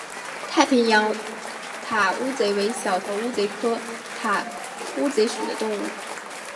太平洋塔乌贼为小头乌贼科塔乌贼属的动物。